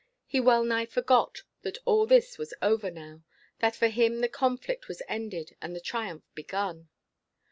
He well nigh forgot that all this was over now that for him the conflict was ended and the triumph begun.